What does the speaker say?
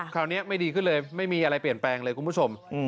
คราวนี้ไม่ดีขึ้นเลยไม่มีอะไรเปลี่ยนแปลงเลยคุณผู้ชม